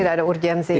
tidak ada urgensinya